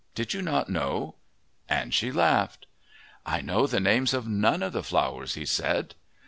Did you not know?" And she laughed. "I know the names of none of the flowers," he said.